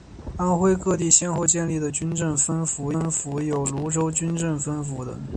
安徽各地先后建立的军政分府有庐州军政分府等。